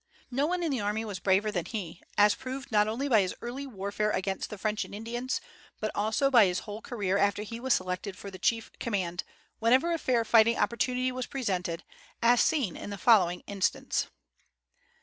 No one in the army was braver than he, as proved not only by his early warfare against the French and Indians, but also by his whole career after he was selected for the chief command, whenever a fair fighting opportunity was presented, as seen in the following instance.